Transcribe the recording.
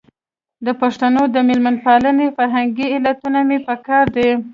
د پښتنو د مېلمه پالنې فرهنګي علتونه مې په کار دي.